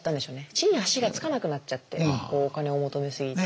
地に足がつかなくなっちゃってお金を求めすぎて。